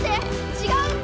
違うんだ！